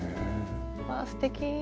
わすてき。